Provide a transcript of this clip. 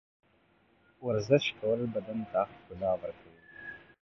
ورزش کول بدن ته ښکلا ورکوي.